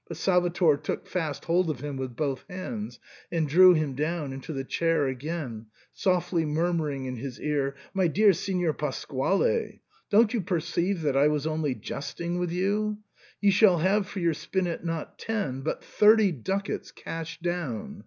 But Salvator took fast hold of him with both hands, and drew him down into the chair again, softly murmur ing in his ear, " My dear ^ignor Pasquale, don't you perceive that I was only jesting with you ? You shall have for your spinet, not ten, but thirty ducats cash down."